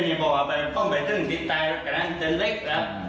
ใช่พวกเราไปต้องไปทางนี้แต่่กระน่างจะเล็กครับ